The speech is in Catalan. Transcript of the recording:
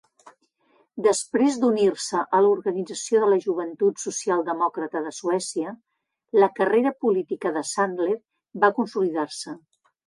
Després d'unir-se a l'Organització de la joventut social demòcrata de Suècia, la carrera política de Sandler va consolidar-se.